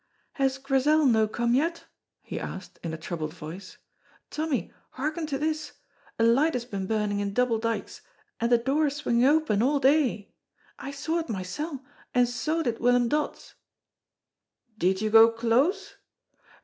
"Has Grizel no come yet?" he asked, in a troubled voice. "Tommy, hearken to this, a light has been burning in Double Dykes and the door swinging open a' day! I saw it mysel', and so did Willum Dods." "Did you go close?"